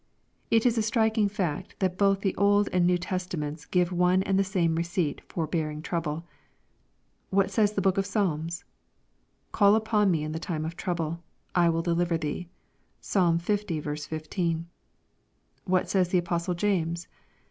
It is a striking fact, that both the Old and New Testa ments give one and the same receipt for bearing trouble. What says the book of Psalms ?" Call upon me in the time of trouble : I will deliver thee." (Psalm L 15.) What says the apostle James